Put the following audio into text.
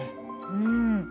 うん。